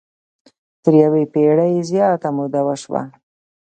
تر یوې پېړۍ زیاته موده وشوه.